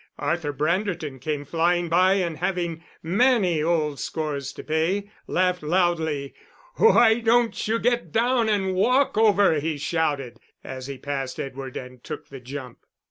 Arthur Branderton came flying by, and having many old scores to pay, laughed loudly. "Why don't you get down and walk over?" he shouted, as he passed Edward and took the jump.